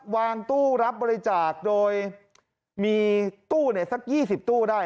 วางตู้รับบริจาคโดยมีตู้เนี่ยสักยี่สิบตู้ได้